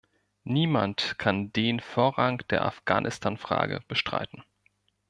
Niemand kann den Vorrang der Afghanistanfrage bestreiten.